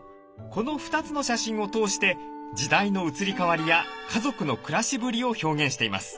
この２つの写真を通して時代の移り変わりや家族の暮らしぶりを表現しています。